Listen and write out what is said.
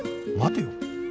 待てよ